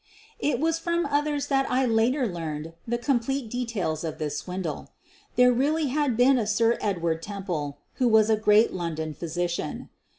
It was from others that I later learned the com 110 SOPHIE LYONS plete details of this swindle. There really had been a Sir Edward Temple, who was a great London physician.